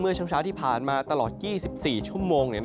ช่วงเช้าที่ผ่านมาตลอด๒๔ชั่วโมง